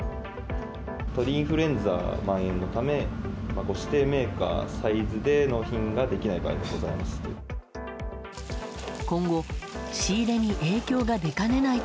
鳥インフルエンザまん延のためご指定メーカーサイズで納品ができない場合がございますと。